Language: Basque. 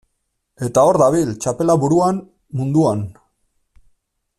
Eta hor dabil, txapela buruan, munduan.